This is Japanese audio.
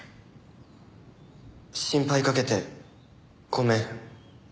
心配かけてごめん。